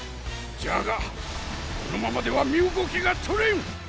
じゃがこのままでは身動きがとれん。